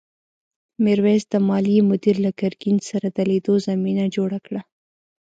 میرويس د مالیې مدیر له ګرګین سره د لیدو زمینه جوړه کړه.